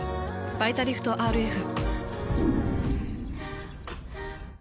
「バイタリフトＲＦ」。